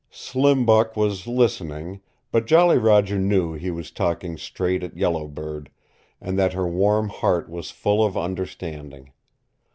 Slim Buck was listening, but Jolly Roger knew he was talking straight at Yellow Bird, and that her warm heart was full of understanding.